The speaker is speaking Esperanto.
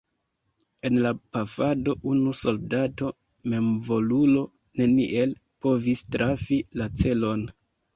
En la pafado unu soldato memvolulo neniel povis trafi la celon.